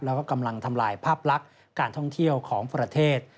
แล้วก็กำลังทำลายภาพลักษณ์การท่องเที่ยวของประเทศ